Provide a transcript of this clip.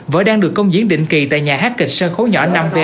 vỡ đang được công diễn định kỳ tình nữ phạm nhân